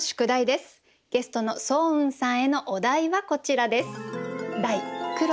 ゲストの双雲さんへのお題はこちらです。